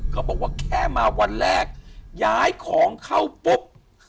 เขาบอกว่าแค่มาวันแรกย้ายของเข้าปุ๊บ